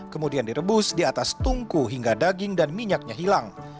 kemudian direbus di atas tungku hingga daging dan minyaknya hilang